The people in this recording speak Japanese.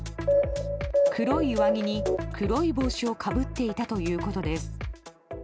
黒い上着に黒い帽子をかぶっていたということです。